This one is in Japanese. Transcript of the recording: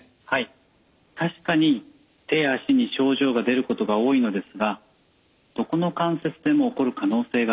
確かに手や足に症状が出ることが多いのですがどこの関節でも起こる可能性があります。